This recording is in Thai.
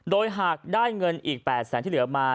โดยหากได้เงินอีก๘แสนที่เหลือมา